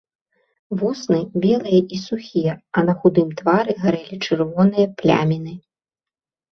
Вусны белыя і сухія, а на худым твары гарэлі чырвоныя пляміны.